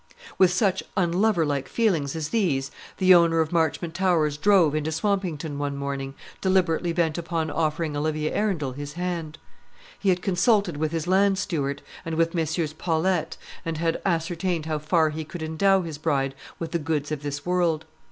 With such unloverlike feelings as these the owner of Marchmont Towers drove into Swampington one morning, deliberately bent upon offering Olivia Arundel his hand. He had consulted with his land steward, and with Messrs. Paulette, and had ascertained how far he could endow his bride with the goods of this world.